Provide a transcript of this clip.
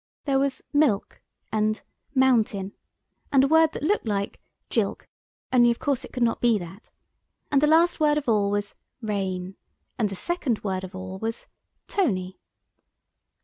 There was "milk" and "mountain," and a word that looked like "Jilk," only of course it could not be that. And the last word of all was "reign," and the second word of all was "Tony."